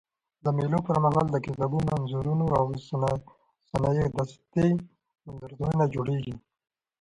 د مېلو پر مهال د کتابونو، انځورونو او صنایع دستي نندارتونونه جوړېږي.